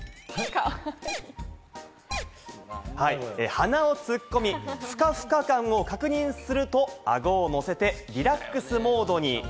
鼻を突っ込み、ふかふか感を確認すると、顎を乗せてリラックスモードに。